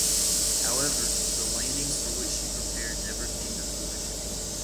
However, the landings for which she prepared never came to fruition.